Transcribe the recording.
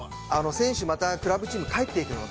◆選手、またクラブチームに帰っていくので。